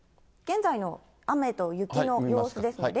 現在の雨と雪の様子です。